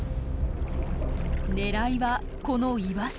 狙いはこのイワシ。